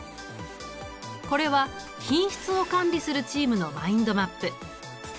これは品質を管理するチームのマインドマップ。